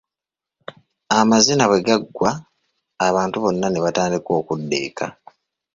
Amazina bwe gaggwa, abantu bonna ne batandika okudda eka.